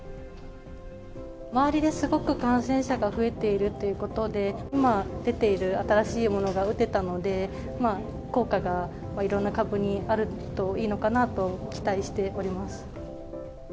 周りですごく感染者が増えているっていうことで、今出ている新しいものが打てたので、まあ、効果がいろんな株にあるといいのかなと期待しております。